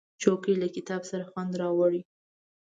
چوکۍ له کتاب سره خوند راوړي.